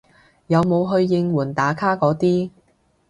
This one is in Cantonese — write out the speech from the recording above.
有冇去應援打卡嗰啲